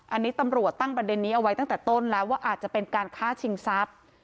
อันนี้ตำรวจตั้งประเด็นนี้เอาไว้ตั้งแต่ต้นแล้วว่าอาจจะเป็นการฆ่าชิงทรัพย์